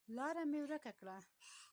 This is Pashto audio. لاره مې ورکه کړه